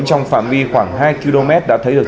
trong phạm vi khoảng hai km đã thấy được